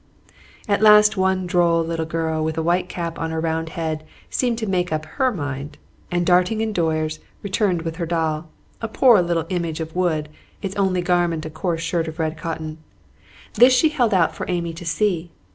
At last one droll little girl with a white cap on her round head seemed to make up her mind, and darting indoors returned with her doll, a poor little image of wood, its only garment a coarse shirt of red cotton. This she held out for Amy to see.